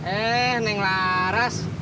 eh neng laras